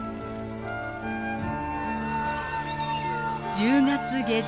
１０月下旬。